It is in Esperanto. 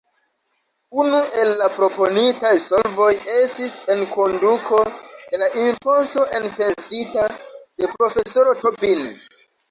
Unu el la proponitaj solvoj estis enkonduko de la imposto elpensita de profesoro Tobin.